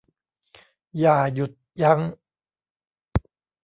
อย่าหยุดยั้ง